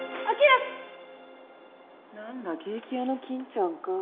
なんだケーキ屋のきんちゃんか。